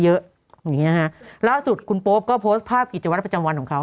อย่างเงี้ยฮะล่าสุดคุณโป๊ปก็โพสต์ภาพกิจวัตรประจำวันของเขา